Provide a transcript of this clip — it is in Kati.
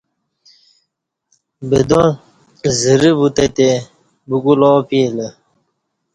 بدازرہ ووتہ تے بگول آو پیلہ